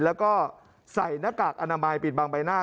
แล้วก็ใส่หน้ากากอนามัยปิดบังใบหน้า